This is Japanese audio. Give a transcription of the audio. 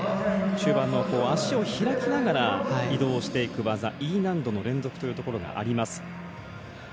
中盤の足を開きながら移動していく技Ｅ難度の連続というところがあります。